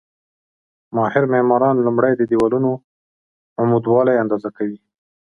ماهر معماران لومړی د دېوالونو عمودوالی اندازه کوي.